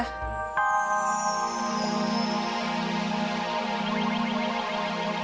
sampai jumpa di video selanjutnya